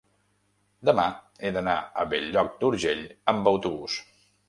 demà he d'anar a Bell-lloc d'Urgell amb autobús.